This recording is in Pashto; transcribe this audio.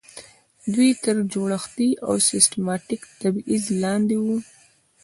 دوی تر جوړښتي او سیستماتیک تبعیض لاندې وو.